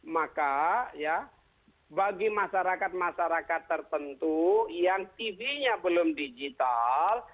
maka ya bagi masyarakat masyarakat tertentu yang tv nya belum digital